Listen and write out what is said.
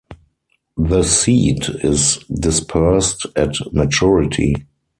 The seed is dispersed at maturity.